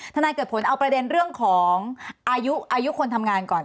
นายเกิดผลเอาประเด็นเรื่องของอายุคนทำงานก่อน